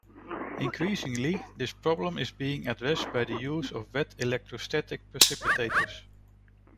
Increasingly, this problem is being addressed by the use of wet electrostatic precipitators.